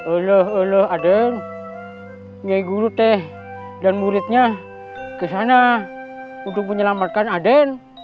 elah elah adan nyai guru teh dan muridnya ke sana untuk menyelamatkan adan